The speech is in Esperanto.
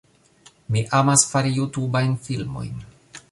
Mi amas fari Jutubajn filmojn